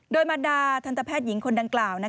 โดยมารดาทันตแพทย์หญิงคนดังกล่าว